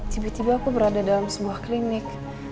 tiba tiba aku berada dalam sebuah klinik